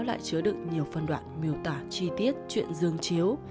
đã chứa được nhiều phần đoạn miêu tả chi tiết chuyện dương chiếu